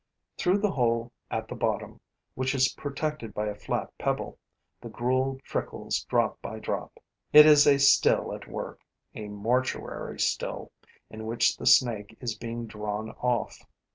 Through the hole at the bottom, which is protected by a flat pebble, the gruel trickles drop by drop. It is a still at work, a mortuary still, in which the Snake is being drawn off.